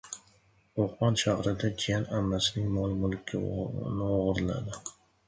Qo‘qon shahrida jiyan ammasining mol-mulkini o‘g‘irladi